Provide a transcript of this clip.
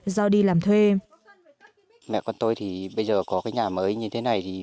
do đi làm thuê